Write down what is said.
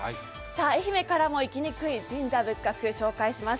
愛媛からも行きにくい神社仏閣紹介します。